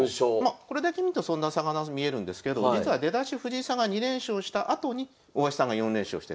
これだけ見るとそんな差がなく見えるんですけど実は出だし藤井さんが２連勝したあとに大橋さんが４連勝してんですよ。